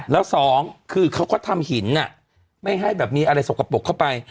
แล้วสองคือเขาก็ทำหินไม่ให้แบบมีอะไรสกปรกเข้าไป